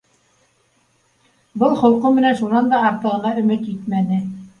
Был холҡо менән шунан да артығына өмөт итмәне